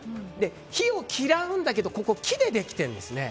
火を嫌うんだけど木でできているんですね。